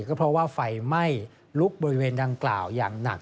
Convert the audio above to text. ก็เพราะว่าไฟไหม้ลุกบริเวณดังกล่าวอย่างหนัก